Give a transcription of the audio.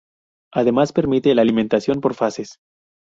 Además permite la alimentación por fases.